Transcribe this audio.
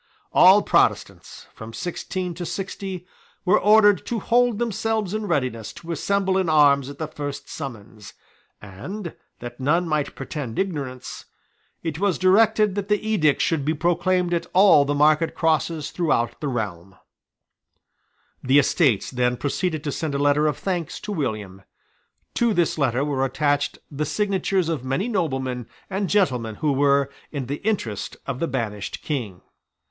All Protestants, from sixteen to sixty, were ordered to hold themselves in readiness to assemble in arms at the first summons; and, that none might pretend ignorance, it was directed that the edict should be proclaimed at all the market crosses throughout the realm, The Estates then proceeded to send a letter of thanks to William. To this letter were attached the signatures of many noblemen and gentlemen who were in the interest of the banished King.